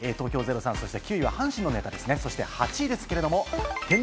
１０位、東京０３、９位は阪神のネタです。